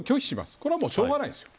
これはもうしょうがないんですよ。